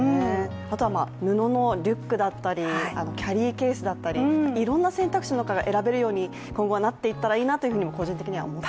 あとは布のリュックだったり、キャリーケースだったりいろんな選択肢の中から選べるように今後はなっていったらいいなとは個人的には思います。